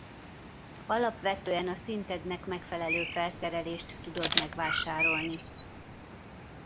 Alapvetően a szintednek megfelelő felszerelést tudod megvásárolni.